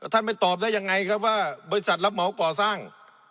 ไม่ตอบได้ยังไงครับว่าบริษัทรับเหมาก่อสร้าง